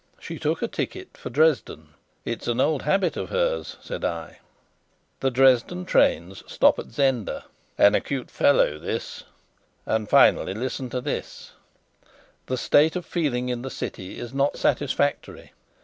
She took a ticket for Dresden '" "It's an old habit of hers," said I. "'The Dresden train stops at Zenda.' An acute fellow, this. And finally listen to this: 'The state of feeling in the city is not satisfactory.